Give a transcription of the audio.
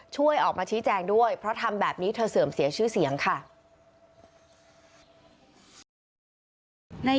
ช่วยออกมาชี้แจงด้วยเพราะทำแบบนี้เธอเสื่อมเสียชื่อเสียงค่ะ